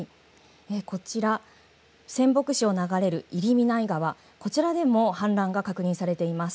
こちら、仙北市を流れる入見内川、こちらでも氾濫が確認されています。